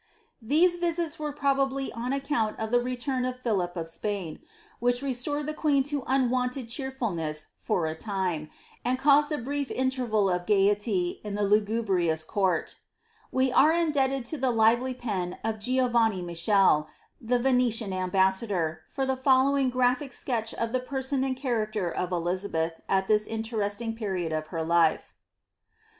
These visits were probably on account of the return of Philip of Spain, which restored Uie queen to unwonted cheerfulness for a time, and caused a brief interval of gaiety in the lugubrious court. We are indebted to the lively pen of Giovanni Michele, the Venetian ambassador,' for the following graphic sketch of the person and charac ter of Elizabeth, at this interesting period of her life.